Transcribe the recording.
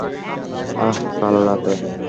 আহ, কাল রাতে?